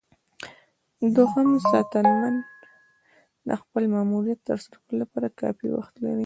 دوهم ساتنمن د خپل ماموریت ترسره کولو لپاره کافي وخت لري.